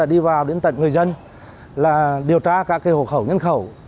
đi vào đến tận người dân điều tra cả hộ khẩu nhân khẩu